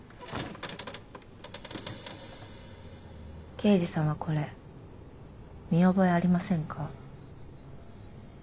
刑事さんはこれ見覚えありませんか？